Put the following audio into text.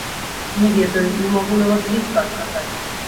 Не ведаю, не магу нават блізка адказаць.